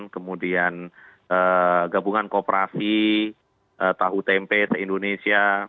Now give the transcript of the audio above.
kemudian gabungan kooperasi tahu tempe se indonesia